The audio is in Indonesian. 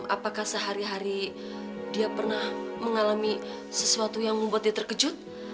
apakah sehari hari dia pernah mengalami sesuatu yang membuat dia terkejut